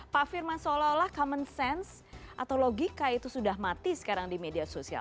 pak firman seolah olah common sense atau logika itu sudah mati sekarang di media sosial